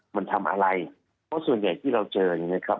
มันทำอะไรเพราะส่วนใหญ่ที่เราเจออย่างนี้ครับ